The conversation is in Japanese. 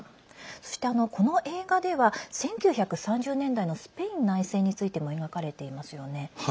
そして、この映画では１９３０年代のスペイン内戦についても描かれていますよね。